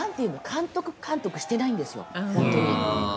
監督監督してないんですよ。